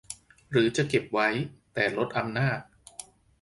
หรือจะเก็บไว้ แต่ลดอำนาจ